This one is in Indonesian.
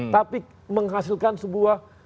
tapi menghasilkan sebuah